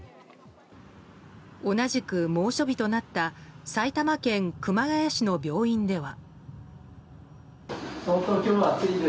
同じく猛暑日となった埼玉県熊谷市の病院では。